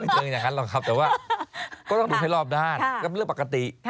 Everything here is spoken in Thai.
เจออย่างนั้นหรอกครับแต่ว่าก็ต้องดูให้รอบด้านก็เป็นเรื่องปกติ